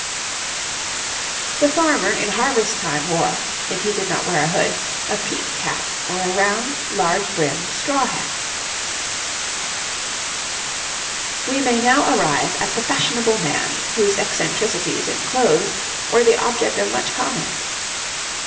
The farmer in harvest time wore, if he did not wear a hood, a peaked hat or a round, large brimmed straw hat. [Illustration: The Houppelande or Peliçon.] We may now arrive at the fashionable man, whose eccentricities in clothes were the object of much comment.